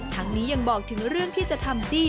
ทั้งนี้ยังบอกถึงเรื่องที่จะทำจี้